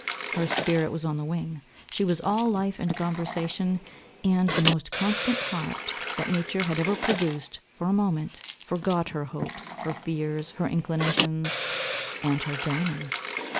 Her spirits were on the wing, she was all life and conversation, and the most constant heart, that nature had ever produced, for a moment, forgot her hopes, her fears, her inclinations, and her Damon.